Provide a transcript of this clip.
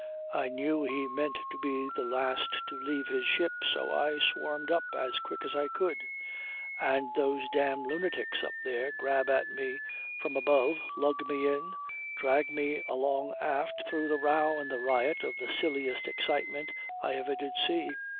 I knew he meant to be the last to leave his ship, so I swarmed up as quick as I could, and those damned lunatics up there grab at me from above, lug me in, drag me along aft through the row and the riot of the silliest excitement I ever did see.